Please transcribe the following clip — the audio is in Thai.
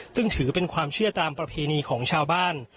ซึ่งถือเป็นความเชื่อตามประเพณีของชาวบ้าน